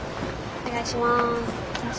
お願いします。